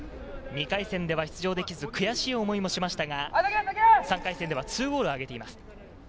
２回戦では出場できず、悔しい思いもしましたが、３回戦では２ゴールをあげています。